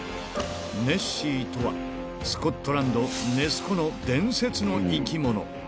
ネッシーとは、スコットランド・ネス湖の伝説の生き物。